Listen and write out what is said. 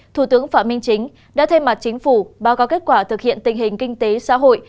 thủ tướng phạm minh chính đã thay mặt chính phủ báo cáo kết quả thực hiện tình hình kinh tế xã hội